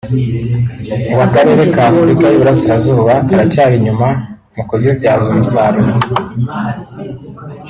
ngo akarere ka Afurika y’Iburasirazuba karacyari inyuma mu kuzibyaza umusaruro